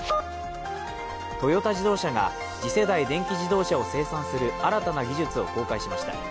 トヨタ自動車が次世代電気自動車を生産する新たな技術を公開しました。